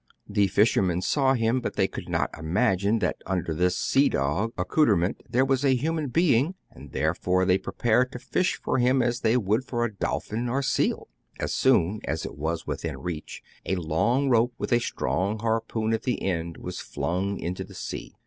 The fishermen saw him ; but they could not imagine that under this sea dog accoutrement there was a human being, and therefore they prepared to fish for him as they would for a dolphin or seal. As soon as it was within reach, a long rope with a strong harpoon at the end was flung into the sea.